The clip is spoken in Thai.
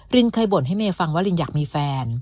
รินเคยบ่นให้เมย์ฟังว่าลินอยากมีแฟน